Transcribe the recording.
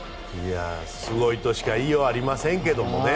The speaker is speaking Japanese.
すごいとしか言いようがありませんけどね。